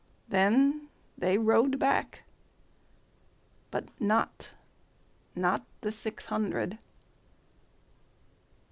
Then they rode back, but notNot the six hundred.